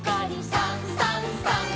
「さんさんさん」